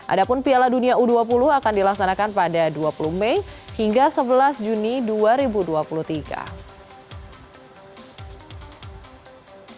adapun piala dunia u dua puluh akan dilaksanakan pada dua puluh mei hingga sebelas mei